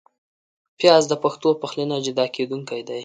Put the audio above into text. پیاز د پښتو پخلي نه جدا کېدونکی دی